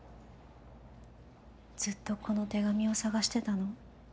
ずっとこの手紙を捜してたの？